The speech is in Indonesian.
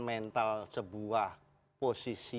mental sebuah posisi